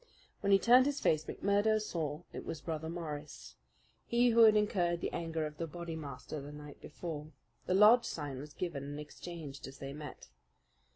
When he turned his face McMurdo saw that it was Brother Morris, he who had incurred the anger of the Bodymaster the night before. The lodge sign was given and exchanged as they met.